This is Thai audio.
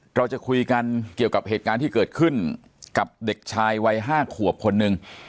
เราจะคุยกันเกี่ยวกับเหตุการณ์ที่เกิดขึ้นกับเด็กชายวัย๕ขวบคนหนึ่ง